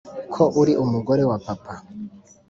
ko uri umugore wa papa,